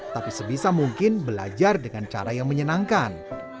tapi sebisa mungkin belajar dengan cara yang menyenangkan